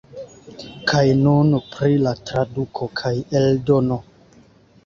Kaj nun pri la traduko kaj eldono.